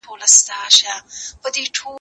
زه به سبا د سبا لپاره د يادښتونه ترتيب کوم!!